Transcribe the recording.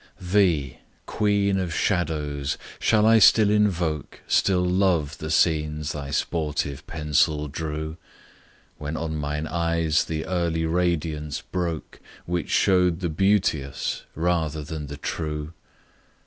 THEE, queen of shadows! shall I still invoke, Still love the scenes thy sportive pencil drew, When on mine eyes the early radiance broke Which show'd the beauteous rather than the true!